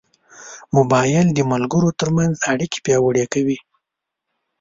موبایل د ملګرو ترمنځ اړیکې پیاوړې کوي.